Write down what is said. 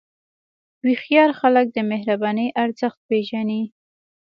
هوښیار خلک د مهربانۍ ارزښت پېژني.